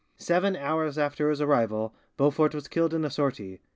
Seven hours after his arrival Beaufort was killed in a sortie.